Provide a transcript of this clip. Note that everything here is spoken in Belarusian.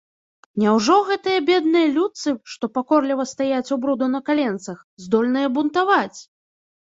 Няўжо гэтыя бедныя людцы, што пакорліва стаяць ў бруду на каленцах, здольныя бунтаваць?